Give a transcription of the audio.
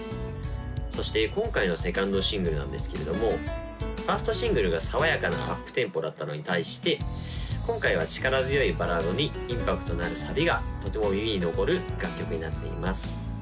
そして今回の２ｎｄシングルなんですけれども１ｓｔシングルが爽やかなアップテンポだったのに対して今回は力強いバラードにインパクトのあるサビがとても耳に残る楽曲になっています